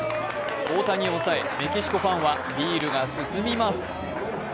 大谷を抑え、メキシコファンはビールが進みます。